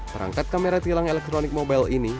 perangkat kamera tilang elektronik mobile ini